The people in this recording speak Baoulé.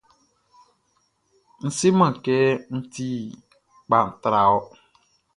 N seman kɛ n ti kpa tra wɔ.